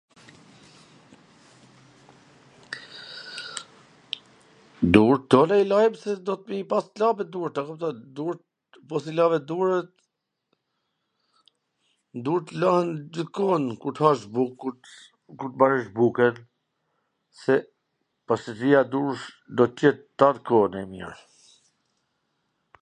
Durt tona i lajm se duhet me i pas t pastra durt, a kupton, po s i lave durwt, durt lahen gjith kohwn, pas bukws, kur t mbarojsh bukwn, se pastwrtia duhet t jet tan kohwn e mir,